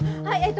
はい。